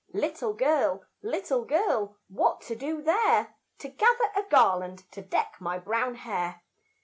Little girl, little girl, what to do there? To gather a garland to deck my brown hair.